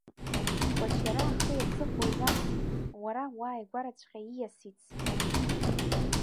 Кәачара ахыи аҵыхәеи иалсит, уара уааигәараҵәҟьа ииасит, – сҳәеит.